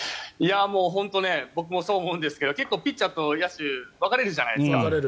本当僕もそう思うんですが結構、ピッチャーと野手って分かれるじゃないですか。